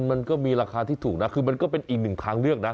มันก็มีราคาที่ถูกนะคือมันก็เป็นอีกหนึ่งทางเลือกนะ